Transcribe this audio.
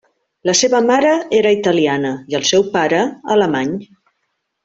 La seva mare era italiana i el seu pare, alemany.